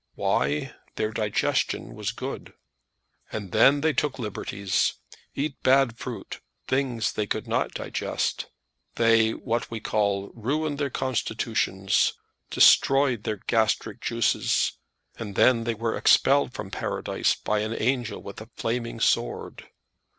Why? Their digestion was good. Ah! then they took liberties, eat bad fruit, things they could not digest. They what we call, ruined their constitutions, destroyed their gastric juices, and then they were expelled from paradise by an angel with a flaming sword.